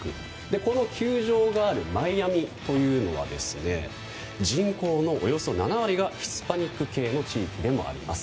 この球場があるマイアミというのは人口のおよそ７割がヒスパニック系の地域でもあります。